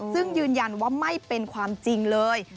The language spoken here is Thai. ซึ่งยืนยันว่าไม่เป็นความจริงเลย